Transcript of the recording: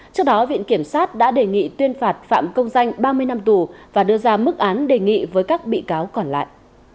trước đó viện kiểm sát đã đề nghị tuyên phạt phạm công danh ba mươi năm tù và đưa ra mức án đề nghị với các bị cáo còn lại